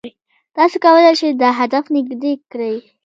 تاسو کولای شئ دا هدف نږدې کړئ.